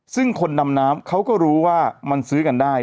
ซึ่งคนดำน้ำเขาก็รู้ว่ามันซื้อกันได้